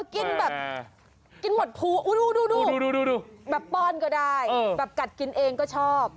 กินแบบกินหมดภูดูแบบป้อนก็ได้แบบกัดกินเองก็ชอบ